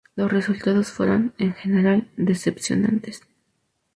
Los resultados fueron, en general, decepcionantes.